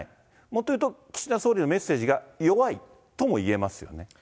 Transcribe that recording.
もっと言うと、岸田総理のメッセージが弱いともいえますよね。